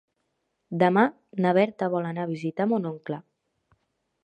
Demà na Berta vol anar a visitar mon oncle.